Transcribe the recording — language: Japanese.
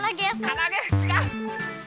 からあげ？ちがう。